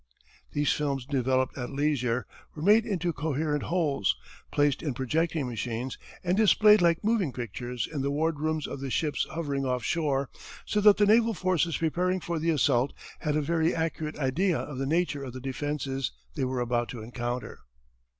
These films developed at leisure were made into coherent wholes, placed in projecting machines, and displayed like moving pictures in the ward rooms of the ships hovering off shore, so that the naval forces preparing for the assault had a very accurate idea of the nature of the defences they were about to encounter.